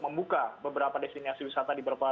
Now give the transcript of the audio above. membuka beberapa destinasi wisata di beberapa